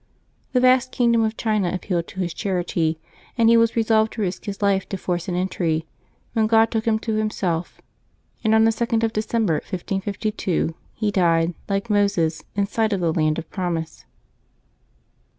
The vast kingdom^ of China appealed to his charity, and he was resolved to risk his life to force an entry, when God took him to Himself, and on the 2d of December, 1552, he died, like Moses, in sight of the land of promise.